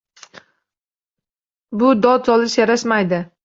Bu dod solish yarashmaydi